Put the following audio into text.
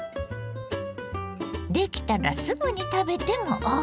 出来たらすぐに食べてもＯＫ！